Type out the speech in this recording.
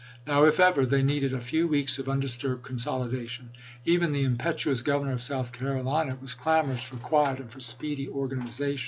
Now, if ever, they needed a few weeks of undisturbed consolidation. Even the impetuous Governor of South Carolina was clamorous for quiet and for speedy organization.